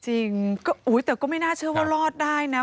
จริงก็อุ๊ยแต่ก็ไม่น่าเชื่อว่ารอดได้นะ